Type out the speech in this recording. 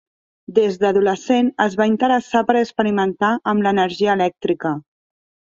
Des d'adolescent es va interessar per experimentar amb l'energia elèctrica.